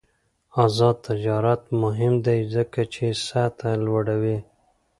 آزاد تجارت مهم دی ځکه چې سطح لوړوي.